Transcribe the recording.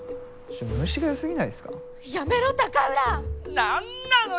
何なのよ